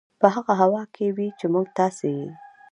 په هغه هوا کې وي چې موږ تاسې یې